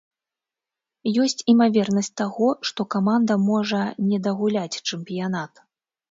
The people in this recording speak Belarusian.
Ёсць імавернасць таго, што каманда можа не дагуляць чэмпіянат.